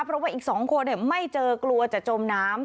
เพราะว่าอีก๒คนไม่เจอกลัวจะจมน้ำ